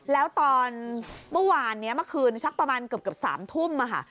แล้วตอนเมื่อวานนี้เมื่อคืนสักประมาณเกือบ๓ทุ่มค่ะ